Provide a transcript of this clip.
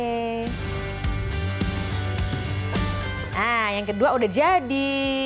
nah yang kedua udah jadi